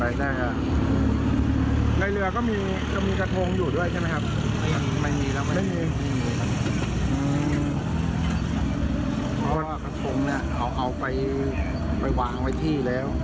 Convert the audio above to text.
เพราะว่ากระทงเนี่ยเอาไปวางไว้ที่แล้ว